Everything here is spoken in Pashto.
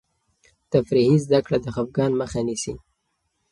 تفریحي زده کړه د خفګان مخه نیسي.